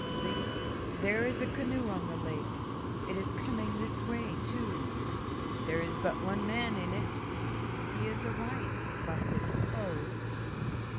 See, there is a canoe on the lake; it is coming this way, too. There is but one man in it; he is a white, by his clothes."